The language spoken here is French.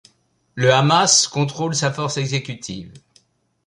Le Hamas contrôle sa force exécutive.